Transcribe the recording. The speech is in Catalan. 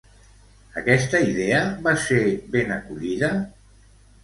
Aquesta idea va ser ben acollida?